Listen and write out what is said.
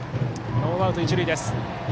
ノーアウト、一塁です。